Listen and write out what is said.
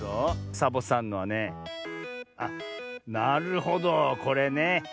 サボさんのはねあっなるほどこれね。